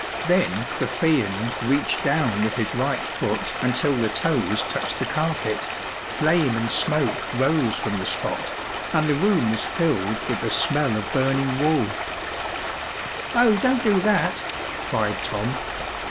Then the Fiend reached down with his right foot until the toes touched the carpet; flame and smoke rose from the spot, and the room was filled with the smell of burning wool, 44 Oh, don't do that/' cried Tom.